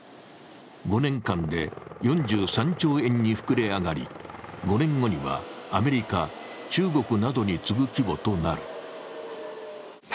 ５年間で４３兆円に膨れ上がり５年後にはアメリカ、中国などに次ぐ規模となる。